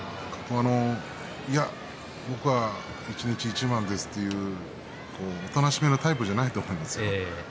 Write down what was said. いや、僕は一日一番ですというおとなしめなタイプじゃないと思うんですね。